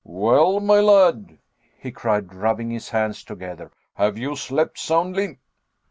"Well, my lad," he cried, rubbing his hands together, "have you slept soundly?"